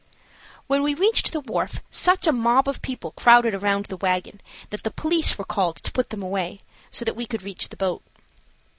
When we reached the wharf such a mob of people crowded around the wagon that the police were called to put them away, so that we could reach the boat.